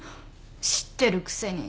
知ってるくせに。